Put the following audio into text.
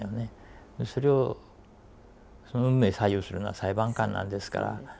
それをその運命左右するのは裁判官なんですから。